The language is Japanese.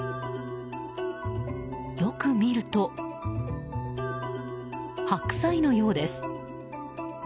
よく見ると、白菜のようです。